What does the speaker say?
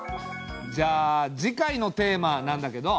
じゃあ次回のテーマなんだけど。